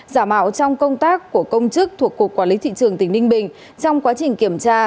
giả mạo trong công tác của công chức thuộc cục quản lý thị trường tỉnh ninh bình trong quá trình kiểm tra